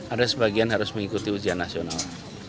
ada sebagian harus mengikuti ujian nasional